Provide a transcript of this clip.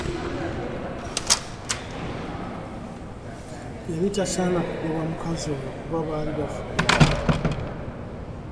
Yali tasaana kugoba mukazi oyo kuba baali bavudde wala.